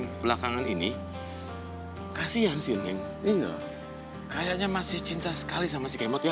di belakangan ini kasihan sini kayaknya masih cinta sekali sama si kemok ya